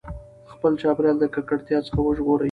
خپل چاپېریال د ککړتیا څخه وژغورئ.